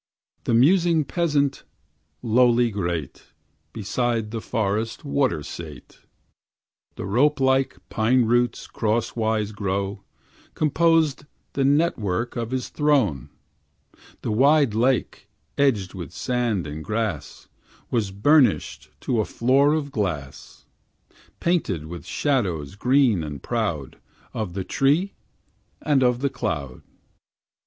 The musing peasant, lowly great, Beside the forest water sate; The rope like pine roots crosswise grown Composed the network of his throne; The wide lake, edged with sand and grass, Was burnished to a floor of glass, Painted with shadows green and proud Of the tree and of the cloud.